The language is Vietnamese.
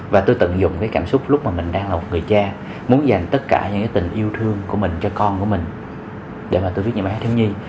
và tôi tận dụng cái cảm xúc lúc mà mình đang là một người cha muốn dành tất cả những tình yêu thương của mình cho con của mình để mà tôi viết những bài hát thiếu nhi